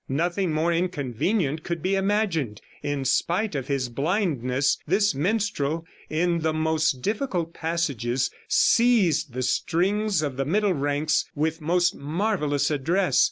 Nothing more inconvenient could be imagined; in spite of his blindness, this minstrel, in the most difficult passages, seized the strings of the middle ranks with most marvelous address.